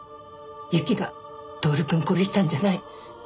雪が透くん殺したんじゃない。